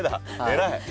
偉い。